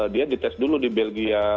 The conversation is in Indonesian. dia dites dulu di belgia